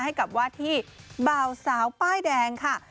ให้กับว่าที่บ่าวสาวป้ายแดงค่ะ